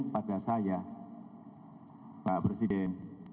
pada saya pak presiden